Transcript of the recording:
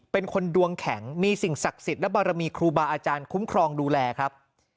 เป็นคนดวงแข็งมีสิ่งศักดิ์สิทธิ์และบารมีครูบาอาจารย์คุ้มครองดูแลครับ